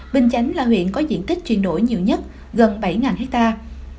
bình chánh là huyện có diện tích chuyển đổi nhiều nhất gần bảy hectare